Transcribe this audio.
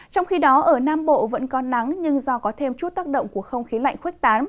trong khi đó ở nam bộ vẫn có nắng nhưng do có thêm chút tác động của không khí lạnh khuếch tán